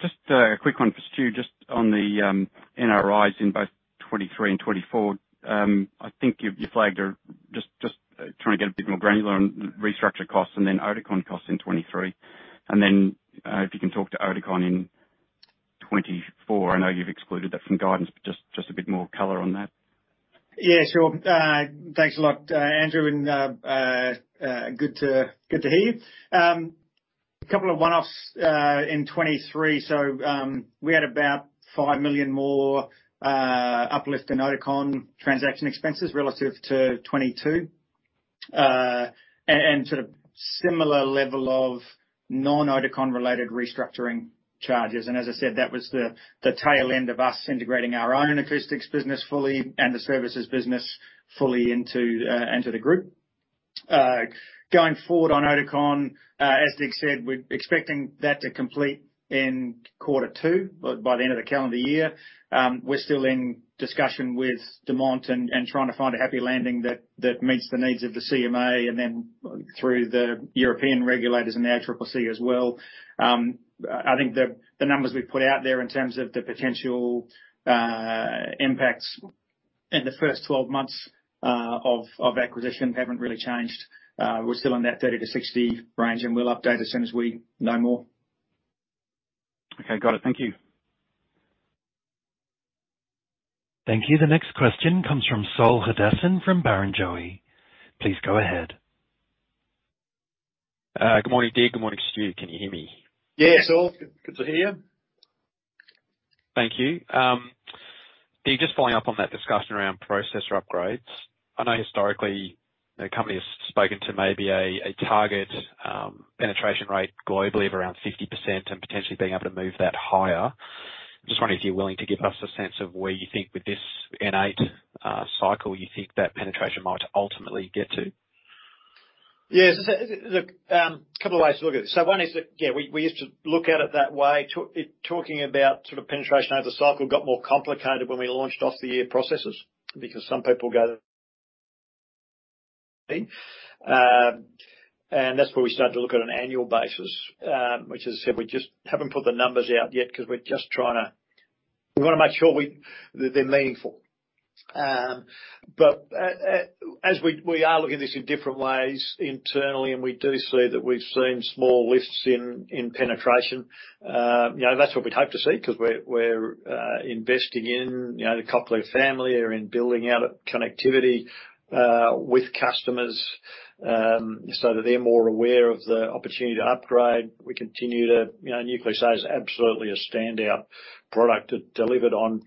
G: Just a quick one for Stu, just on the NRIs in both 2023 and 2024. I think you flagged a, just trying to get a bit more granular on restructure costs and then Oticon costs in 2023. If you can talk to Oticon in 2024. I know you've excluded that from guidance, but just a bit more color on that.
C: Yeah, sure. Thanks a lot, Andrew, and good to, good to hear you. A couple of one-offs in 2023. We had about 5 million more uplift in Oticon transaction expenses relative to 2022. And sort of similar level of non-Oticon-related restructuring charges. As I said, that was the, the tail end of us integrating our own acoustics business fully and the services business fully into the group. Going forward on Oticon, as Dig said, we're expecting that to complete in quarter two by the end of the calendar year. We're still in discussion with Demant and trying to find a happy landing that meets the needs of the CMA, and then through the European regulators and the ACCC as well.
B: I, I think the, the numbers we've put out there in terms of the potential impacts in the first 12 months of acquisition haven't really changed. We're still in that 30-60 range, and we'll update as soon as we know more.
G: Okay, got it. Thank you.
A: Thank you. The next question comes from Saul Hadassin from Barrenjoey. Please go ahead.
H: Good morning, Dig. Good morning, Stu. Can you hear me?
B: Yeah, Saul, good to hear you.
H: Thank you. Dig, just following up on that discussion around processor upgrades. I know historically, the company has spoken to maybe a, a target, penetration rate globally of around 50%, and potentially being able to move that higher. I'm just wondering if you're willing to give us a sense of where you think with this N8, cycle, you think that penetration might ultimately get to?
B: Yes, look, a couple of ways to look at it. One is that, yeah, we, we used to look at it that way, talking about sort of penetration over the cycle got more complicated when we launched off-the-ear processors, because some people go. That's where we started to look at an annual basis, which, as I said, we just haven't put the numbers out yet, 'cause we're just trying to, we wanna make sure that they're meaningful. As we, we are looking at this in different ways internally, and we do see that we've seen small lifts in, in penetration. You know, that's what we'd hope to see, 'cause we're, we're investing in, you know, the Cochlear family or in building out a connectivity with customers, so that they're more aware of the opportunity to upgrade. We continue to, you know, Nucleus is absolutely a standout product. It delivered on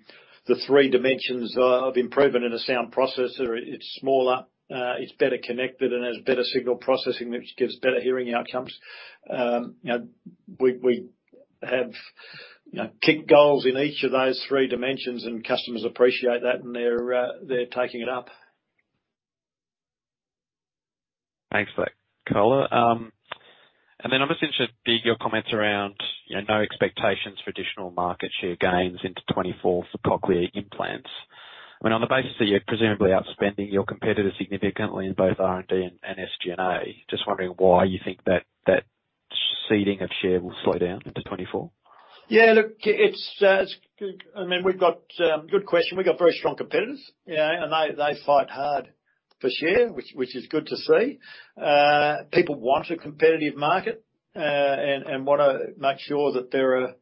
B: the three dimensions of improvement in a sound processor. It's smaller, it's better connected, and has better signal processing, which gives better hearing outcomes. You know, we, we have, you know, kicked goals in each of those three dimensions, and customers appreciate that, and they're, they're taking it up.
H: Thanks for that, Saul. I'm just interested, Dig, your comments around, you know, no expectations for additional market share gains into 2024 for Cochlear implants. I mean, on the basis that you're presumably outspending your competitor significantly in both R&D and SG&A, just wondering why you think that, that ceding of share will slow down into 2024?
B: Yeah, look, it's, it's. I mean, we've got. Good question. We've got very strong competitors, yeah, and they, they fight hard for share, which, which is good to see. People want a competitive market, and, and wanna make sure that there are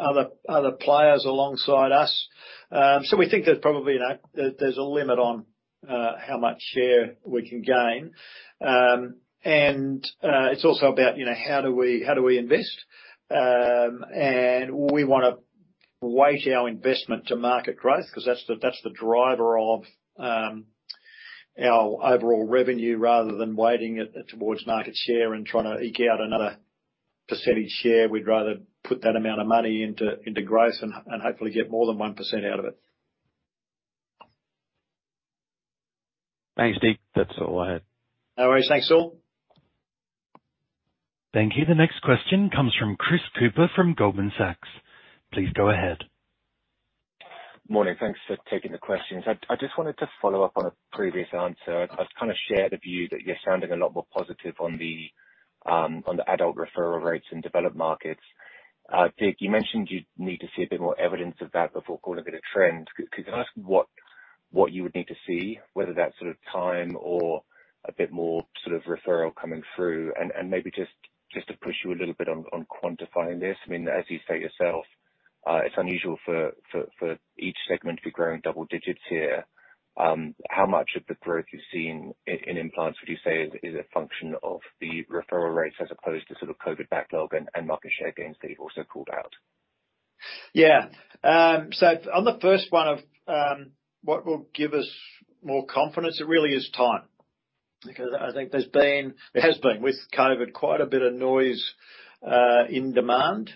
B: other, other players alongside us. We think there's probably, you know, there, there's a limit on how much share we can gain. It's also about, you know, how do we, how do we invest? We wanna weight our investment to market growth, 'cause that's the, that's the driver of our overall revenue, rather than weighting it, it towards market share and trying to eke out another percentage share. We'd rather put that amount of money into, into growth and, and hopefully get more than 1% out of it.
H: Thanks, Dig. That's all I had.
B: No worries. Thanks, Saul.
A: Thank you. The next question comes from Chris Cooper from Goldman Sachs. Please go ahead.
I: Morning. Thanks for taking the questions. I just wanted to follow up on a previous answer. I kind of share the view that you're sounding a lot more positive on the adult referral rates in developed markets. Dig, you mentioned you'd need to see a bit more evidence of that before calling it a trend. Could you ask what you would need to see? Whether that's sort of time or a bit more sort of referral coming through. Maybe just to push you a little bit on quantifying this. I mean, as you say yourself, it's unusual for each segment to be growing double digits here. How much of the growth you've seen in implants would you say is, is a function of the referral rates, as opposed to sort of COVID backlog and, and market share gains that you've also called out?
B: Yeah. On the first one of what will give us more confidence, it really is time, because I think there has been, with COVID, quite a bit of noise in demand,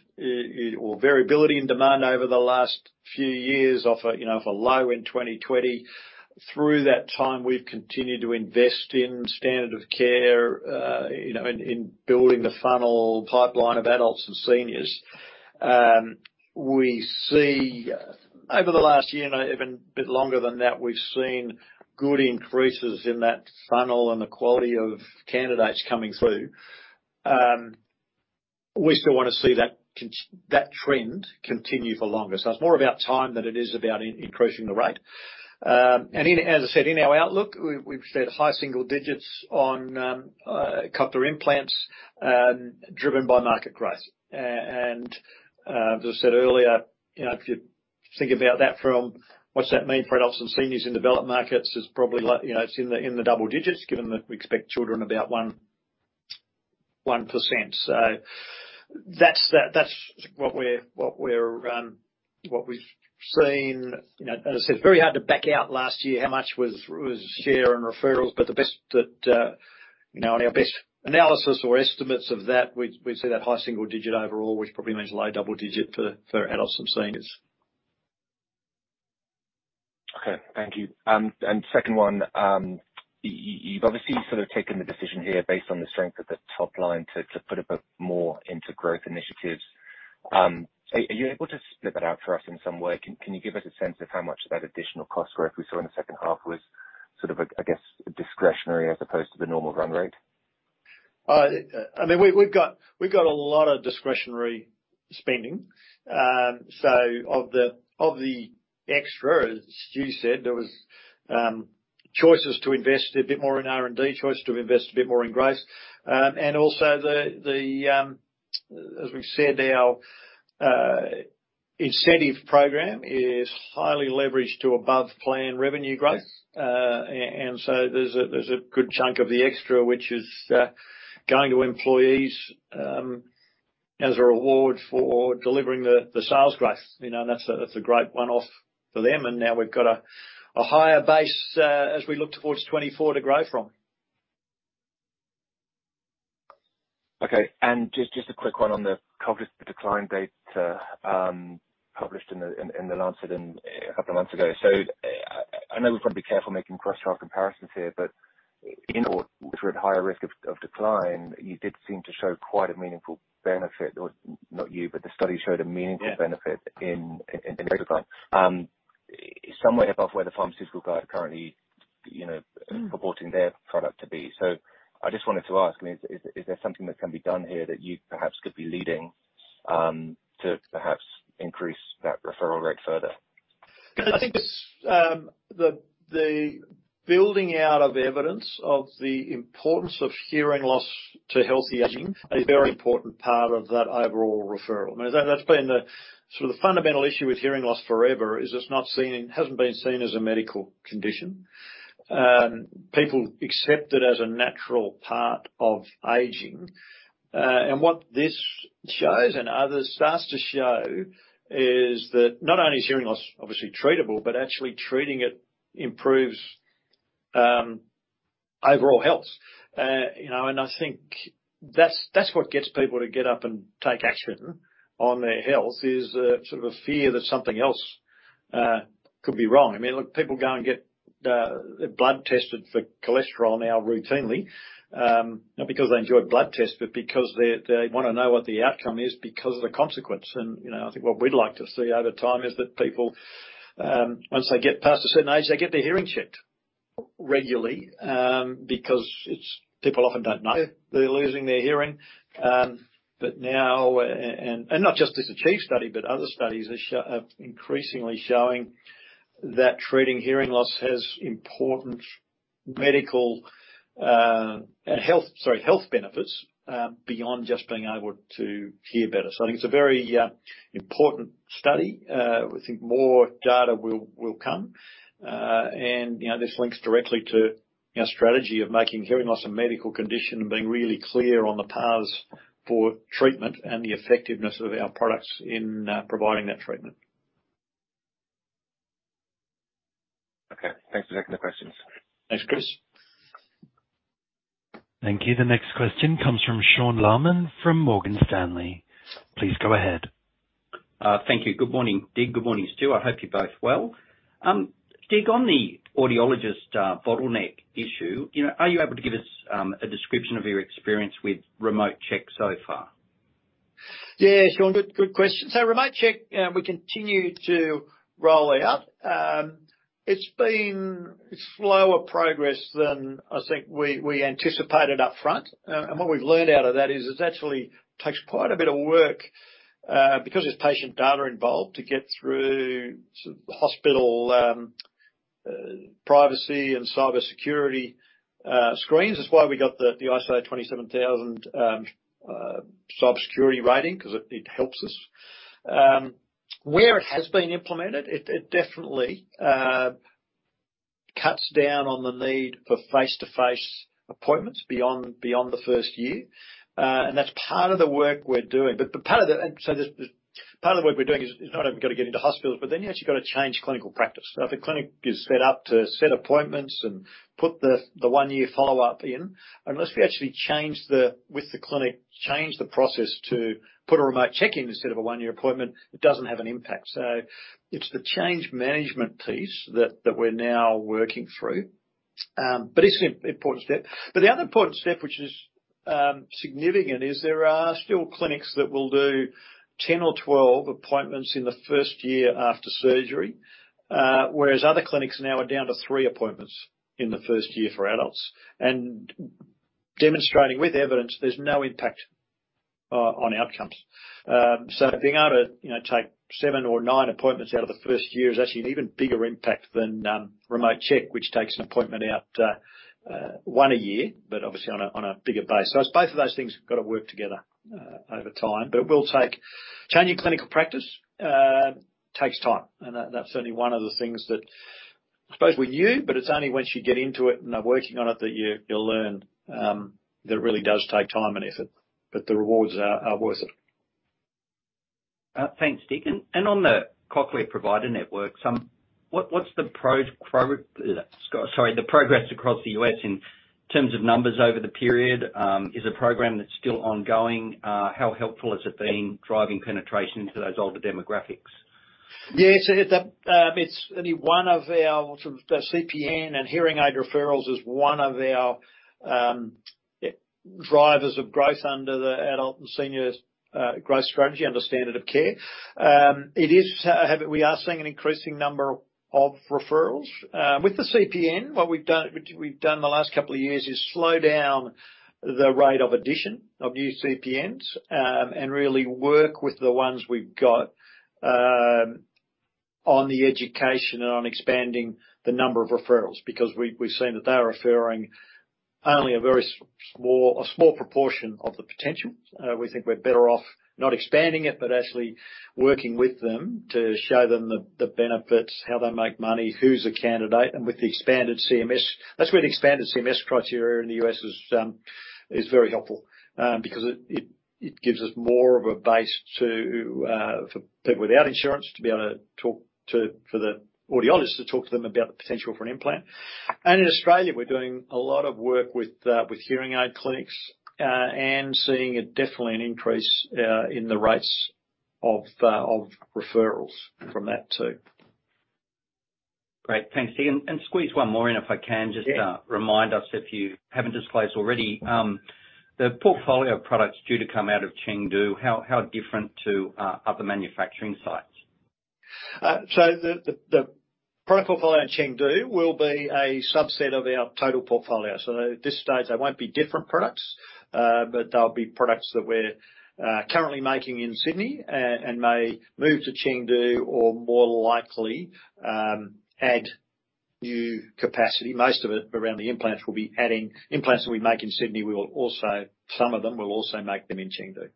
B: or variability in demand over the last few years, off a, you know, off a low in 2020. Through that time, we've continued to invest in standard of care, you know, in, in building the funnel pipeline of adults and seniors. We see over the last year, and even a bit longer than that, we've seen good increases in that funnel and the quality of candidates coming through. We still wanna see that trend continue for longer, so it's more about time than it is about increasing the rate. As I said, in our outlook, we've, we've said high single digits on cochlear implants, driven by market growth. As I said earlier, you know, Think about that from what's that mean for adults and seniors in developed markets is probably like, you know, it's in the, in the double digits, given that we expect children about 1%. That's, that, that's what we're, what we're, what we've seen. You know, as I said, it's very hard to back out last year, how much was, was share and referrals, but the best that, you know, on our best analysis or estimates of that, we'd, we'd see that high single digit overall, which probably means low double digit for, for adults and seniors.
I: Okay, thank you. Second one. You've obviously sort of taken the decision here, based on the strength of the top line, to, to put a bit more into growth initiatives. Are, are you able to split that out for us in some way? Can, can you give us a sense of how much of that additional cost where we saw in the second half was sort of I guess, discretionary as opposed to the normal run rate?
B: I mean, we've got, we've got a lot of discretionary spending. Of the, of the extra, as Stu said, there was choices to invest a bit more in R&D, choice to invest a bit more in growth. Also as we've said, our incentive program is highly leveraged to above-plan revenue growth. So there's a, there's a good chunk of the extra, which is going to employees as a reward for delivering the sales growth. You know, that's a, that's a great one-off for them, and now we've got a higher base as we look towards 2024 to grow from.
I: Okay. Just, just a quick one on the cognitive decline data, published in The Lancet, a couple of months ago. I, I know we've got to be careful making cross-trial comparisons here, but in order. We're at higher risk of, of decline, you did seem to show quite a meaningful benefit or not you, but the study showed a meaningful-
B: Yeah
I: Benefit in, in decline. Somewhere above where the pharmaceutical guys are currently, you know, purporting their product to be. I just wanted to ask, I mean, is, is there something that can be done here that you perhaps could be leading, to perhaps increase that referral rate further?
B: I think it's the building out of evidence of the importance of hearing loss to healthy aging, a very important part of that overall referral. I mean, that's been the sort of the fundamental issue with hearing loss forever, is it's hasn't been seen as a medical condition. People accept it as a natural part of aging. What this shows, and others starts to show, is that not only is hearing loss obviously treatable, but actually treating it improves overall health. You know, I think that's, that's what gets people to get up and take action on their health, is a sort of a fear that something else could be wrong. I mean, look, people go and get their blood tested for cholesterol now routinely, not because they enjoy blood tests, but because they, they wanna know what the outcome is because of the consequence. You know, I think what we'd like to see over time is that people, once they get past a certain age, they get their hearing checked regularly, because people often don't know they're losing their hearing. Now and, not just as the ACHIEVE study, but other studies are increasingly showing that treating hearing loss has important medical, and health, sorry, health benefits, beyond just being able to hear better. I think it's a very important study. We think more data will, will come. You know, this links directly to our strategy of making hearing loss a medical condition and being really clear on the paths for treatment and the effectiveness of our products in providing that treatment.
I: Okay. Thanks for taking the questions.
B: Thanks, Chris.
A: Thank you. The next question comes from Sean Laman, from Morgan Stanley. Please go ahead.
J: Thank you. Good morning, Dig. Good morning, Stu. I hope you're both well. Dig, on the audiologist, bottleneck issue, you know, are you able to give us, a description of your experience with Remote Check so far?
B: Yeah, Sean, good, good question. Remote Check, we continue to roll out. It's been, it's slower progress than I think we, we anticipated up front. What we've learned out of that is it actually takes quite a bit of work, because there's patient data involved, to get through hospital privacy and cybersecurity screens. That's why we got the ISO 27000 cybersecurity rating, 'cause it, it helps us. Where it has been implemented, it, it definitely cuts down on the need for face-to-face appointments beyond, beyond the first year. That's part of the work we're doing. Part of the, part of the work we're doing is, is not only we've got to get into hospitals, but then you actually gotta change clinical practice. If a clinic is set up to set appointments and put the, the one year follow-up in, unless we actually change the, with the clinic, change the process to put a Remote Check in instead of a one year appointment, it doesn't have an impact. It's the change management piece that, that we're now working through. It's an important step. The other important step, which is significant, is there are still clinics that will do 10 or 12 appointments in the 1st year after surgery, whereas other clinics now are down to three appointments in the 1st year for adults, and demonstrating with evidence, there's no impact on outcomes. Being able to, you know, take seven or nine appointments out of the first year is actually an even bigger impact than Remote Check, which takes an appointment out, one a year, but obviously on a, on a bigger base. It's both of those things have got to work together over time. We'll take. Changing clinical practice takes time, and that-that's certainly one of the things that, I suppose we knew, but it's only once you get into it and are working on it that you, you'll learn, that it really does take time and effort, but the rewards are, are worth it.
J: Thanks, Dig. On the Cochlear Provider Network, what's the sorry, the progress across the U.S. in terms of numbers over the period? Is the program that's still ongoing? How helpful has it been driving penetration into those older demographics?
B: Yeah, so it, it's only one of our sort of the CPN and hearing aid referrals is one of our drivers of growth under the adult and seniors growth strategy under standard of care. It is we are seeing an increasing number of referrals. With the CPN, what we've done, which we've done the last couple of years, is slow down the rate of addition of new CPNs and really work with the ones we've got on the education and on expanding the number of referrals. We, we've seen that they're referring only a very small, a small proportion of the potential. We think we're better off not expanding it, but actually working with them to show them the benefits, how they make money, who's a candidate, and with the expanded CMS. That's where the expanded CMS criteria in the U.S. is, is very helpful, because it, it, it gives us more of a base to for people without insurance to be able to talk to, for the audiologists, to talk to them about the potential for an implant. In Australia, we're doing a lot of work with, with hearing aid clinics, and seeing definitely an increase in the rates of referrals from that, too.
J: Great. Thanks, Dig. Squeeze one more in, if I can.
B: Yeah.
J: Just remind us, if you haven't disclosed already, the portfolio of products due to come out of Chengdu, how, how different to other manufacturing sites?
B: The, the, the product portfolio in Chengdu will be a subset of our total portfolio. At this stage, they won't be different products, but they'll be products that we're currently making in Sydney, and may move to Chengdu, or more likely, add new capacity. Most of it around the implants will be adding implants that we make in Sydney. We will also, some of them, we'll also make them in Chengdu.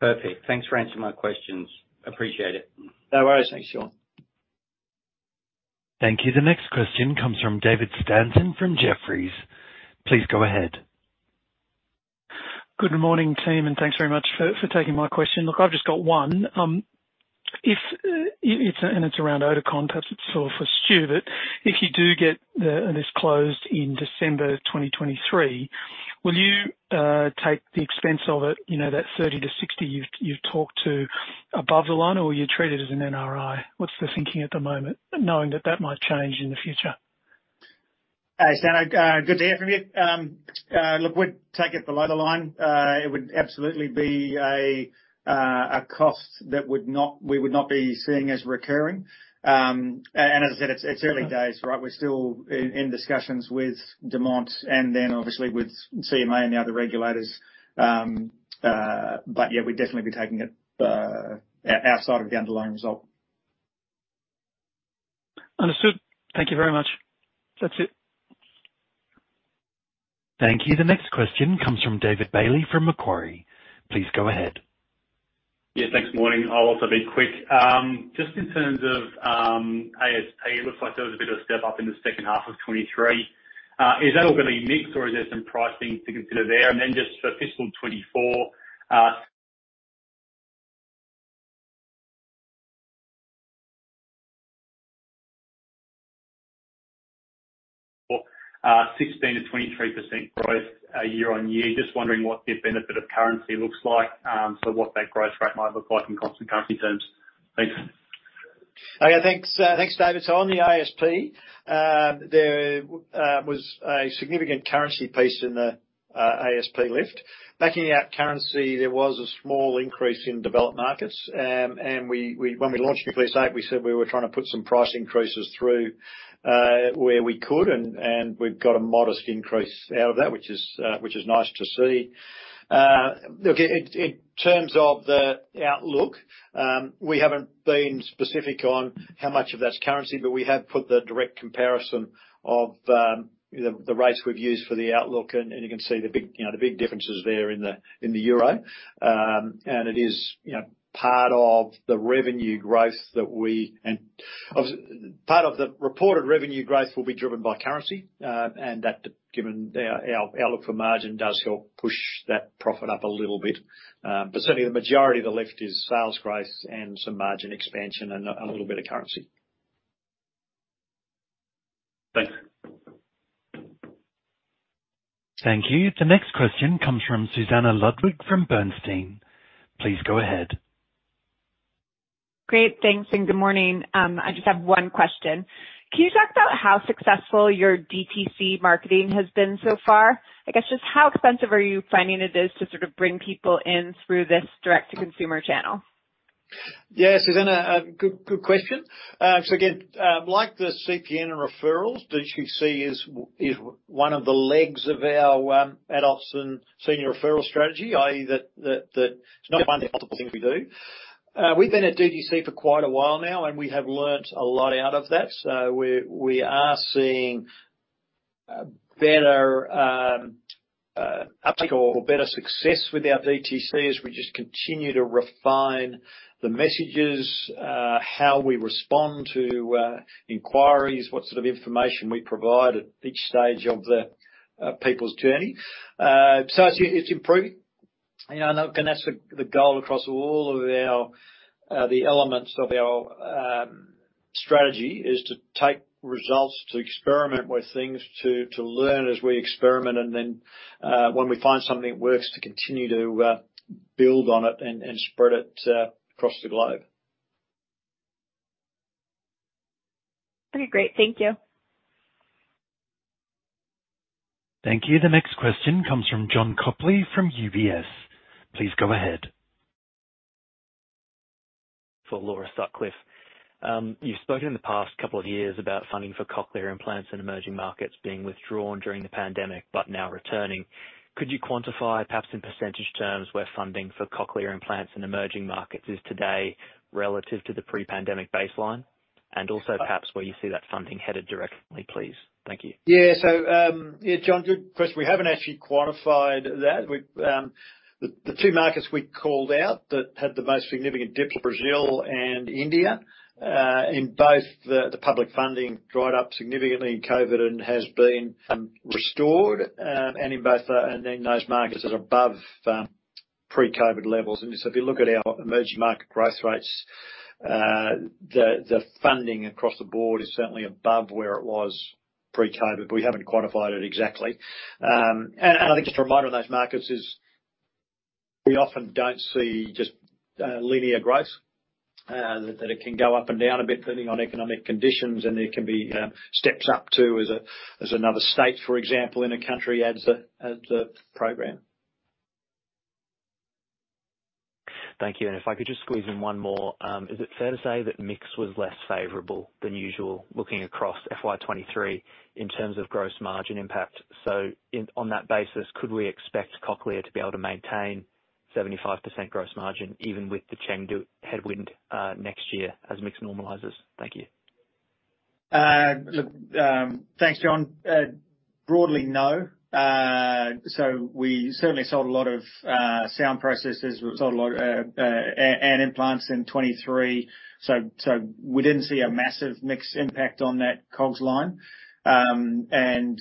J: Perfect. Thanks for answering my questions. Appreciate it.
B: No worries. Thanks, Sean.
A: Thank you. The next question comes from David Stanton from Jefferies. Please go ahead.
K: Good morning, team, thanks very much for, for taking my question. Look, I've just got one. If it's around Oticon, perhaps it's sort of for Stu. If you do get this closed in December 2023, will you take the expense of it, you know, that 30-60 you've, you've talked to above the line, or will you treat it as an NRI? What's the thinking at the moment, knowing that that might change in the future?
C: David, good to hear from you. Look, we'd take it below the line. It would absolutely be a cost that we would not be seeing as recurring. As I said, it's early days, right? We're still in discussions with Demant and then obviously with CMA and the other regulators. Yeah, we'd definitely be taking it outside of the underlying result.
K: Understood. Thank you very much. That's it.
A: Thank you. The next question comes from David Bailey from Macquarie. Please go ahead.
K: Yeah, thanks. Morning. I'll also be quick. Just in terms of ASP, looks like there was a bit of a step up in the second half of 2023. Is that all going to mix, or is there some pricing to consider there? Then just for fiscal 2024, 16%-23% growth year-over-year. Just wondering what the benefit of currency looks like, so what that growth rate might look like in constant currency terms? Thanks.
B: Okay, thanks, thanks, David. On the ASP, there was a significant currency piece in the ASP lift. Backing out currency, there was a small increase in developed markets. When we launched Nucleus 8, we said we were trying to put some price increases through where we could, and we've got a modest increase out of that, which is nice to see. Look, in terms of the outlook, we haven't been specific on how much of that's currency, but we have put the direct comparison of the rates we've used for the outlook, and you can see the big, you know, the big differences there in the Euro. It is, you know, part of the revenue growth that part of the reported revenue growth will be driven by currency, and that, given our, our outlook for margin, does help push that profit up a little bit. Certainly the majority of the lift is sales growth and some margin expansion and a little bit of currency.
L: Thanks.
A: Thank you. The next question comes from Susannah Ludwig from Bernstein. Please go ahead.
M: Great, thanks, good morning. I just have one question: Can you talk about how successful your DTC marketing has been so far? I guess just how expensive are you finding it is to sort of bring people in through this direct-to-consumer channel?
B: Yeah, Susannah, good, good question. Again, like the CPN and referrals, DTC is one of the legs of our adults and senior referral strategy, i.e., that it's not one of the multiple things we do. We've been at DTC for quite a while now, and we have learned a lot out of that. We are seeing better uptake or better success with our DTC as we just continue to refine the messages, how we respond to inquiries, what sort of information we provide at each stage of the people's journey. It's, it's improving, you know, and that's the, the goal across all of our, the elements of our strategy, is to take results, to experiment with things, to, to learn as we experiment, and then, when we find something that works, to continue to, build on it and, and spread it across the globe.
M: Okay, great. Thank you.
A: Thank you. The next question comes from Josh Copley from UBS. Please go ahead.
N: For Laura Sutcliffe. You've spoken in the past couple of years about funding for cochlear implants in emerging markets being withdrawn during the pandemic, but now returning. Could you quantify, perhaps in % terms, where funding for cochlear implants in emerging markets is today relative to the pre-pandemic baseline? Also perhaps where you see that funding headed directly, please. Thank you.
C: Yeah. Yeah, Josh, good question. We haven't actually quantified that. We've, the, the two markets we called out that had the most significant dip, Brazil and India, in both the, the public funding dried up significantly in COVID and has been restored, and in both, and in those markets is above pre-COVID levels. If you look at our emerging market growth rates, the, the funding across the board is certainly above where it was pre-COVID. We haven't quantified it exactly. I think just a reminder on those markets is, we often don't see just linear growth, that, that it can go up and down a bit depending on economic conditions, and there can be steps up to, as another state, for example, in a country adds a, adds a program.
N: Thank you. If I could just squeeze in one more. Is it fair to say that mix was less favorable than usual, looking across FY2023, in terms of gross margin impact? On that basis, could we expect Cochlear to be able to maintain 75% gross margin, even with the Chengdu headwind, next year as mix normalizes? Thank you.
B: Look, thanks, Josh. Broadly, no. We certainly sold a lot of sound processors. We sold a lot, and implants in 2023. We didn't see a massive mix impact on that COGS line. And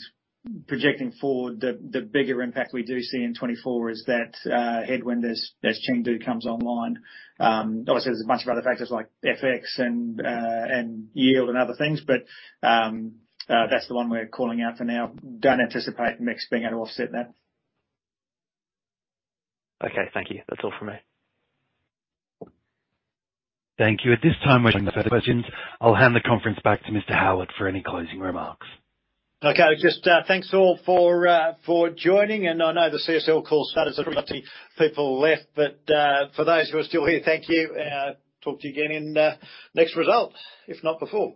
B: projecting forward, the bigger impact we do see in 2024 is that headwind as Chengdu comes online. Obviously, there's a bunch of other factors like FX and yield and other things, but that's the one we're calling out for now. Don't anticipate mix being able to offset that.
N: Okay, thank you. That's all for me.
A: Thank you. At this time, we're questions, I'll hand the conference back to Mr. Howitt for any closing remarks.
B: Okay. Just, thanks all for, for joining. I know the CSL call started, we haven't got any people left, for those who are still here, thank you. I'll talk to you again in, next result, if not before.